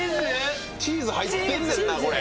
チーズ入ってんねんなこれ。